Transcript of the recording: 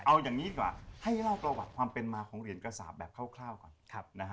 เอาอย่างนี้ดีกว่าให้เล่าประวัติความเป็นมาของเหรียญกระสาปแบบคร่าวก่อน